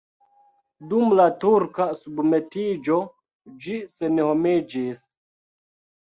Dum la turka submetiĝo ĝi senhomiĝis.